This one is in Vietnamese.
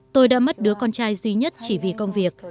tôi đã mất đứa con trai duy nhất chỉ vì công việc